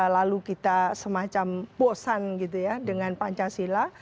lalu kita semacam bosan gitu ya dengan pancasila